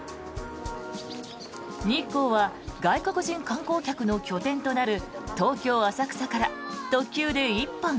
日光は外国人観光客の拠点となる東京・浅草から特急で１本。